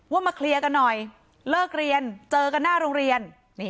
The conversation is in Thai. มาเคลียร์กันหน่อยเลิกเรียนเจอกันหน้าโรงเรียน